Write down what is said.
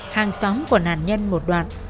hàng xóm của nạn nhân một đoạn